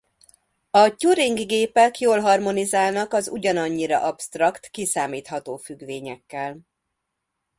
A Turing-gépek jól harmonizálnak az ugyanannyira absztrakt kiszámítható függvényekkel.